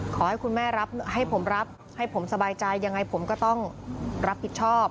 ขอให้คุณแม่รับให้ผมรับให้ผมสบายใจยังไงผมก็ต้องรับผิดชอบ